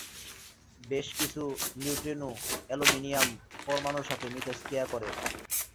বেশ কিছু neutrino aluminium পরমাণুর সাথে মিথস্ক্রিয়া করে।